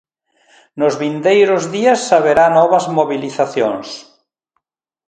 Nos vindeiros días haberá novas mobilizacións.